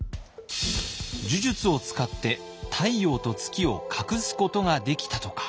呪術を使って太陽と月を隠すことができたとか。